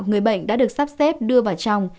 người bệnh đã được sắp xếp đưa vào trong